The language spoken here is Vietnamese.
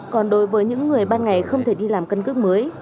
còn đối với những người ban ngày không thể đi làm căn cước mới